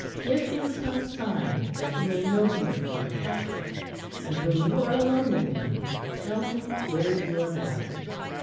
Give him some sign that he may know you for a Catholic, and when you are alone with him tell him where you are bound."